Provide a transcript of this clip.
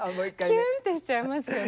キュンってしちゃいますよね。